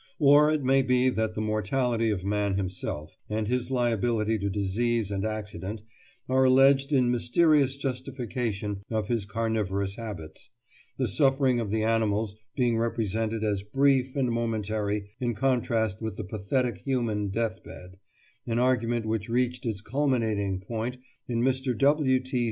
Or it may be that the mortality of man himself, and his liability to disease and accident, are alleged in mysterious justification of his carnivorous habits, the suffering of the animals being represented as brief and momentary in contrast with the pathetic human death bed—an argument which reached its culminating point in Mr. W. T.